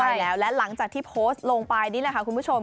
ใช่แล้วและหลังจากที่โพสต์ลงไปนี่แหละค่ะคุณผู้ชม